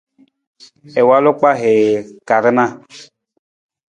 I walu kpahii ka rana.